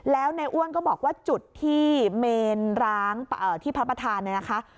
แล้วในอ้วนก็บอกว่าจุดที่เมนร้างที่พระประธานเนี่ยนะคะ